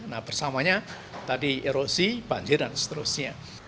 nah bersamanya tadi erosi banjir dan seterusnya